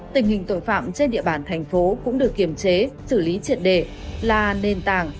tình hình tội phạm trên địa bàn tp thủ đức cũng được kiểm chế xử lý triển đề là nền tảng